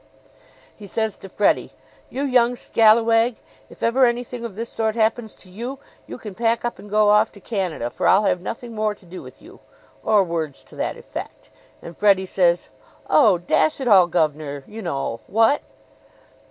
"He says to Freddie: 'You young scalawag, if ever anything of this sort happens to you, you can pack up and go off to Canada, for I'll have nothing more to do with you!' or words to that effect. And Freddie says: 'Oh, dash it all, gov'nor, you know what?'"